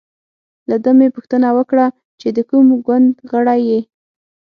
له ده مې پوښتنه وکړه چې د کوم ګوند غړی یې.